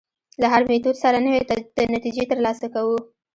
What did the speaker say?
له هر میتود سره نوې نتیجې تر لاسه کوو.